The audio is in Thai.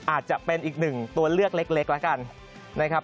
อาจจะเป็นอีกหนึ่งตัวเลือกเล็กแล้วกันนะครับ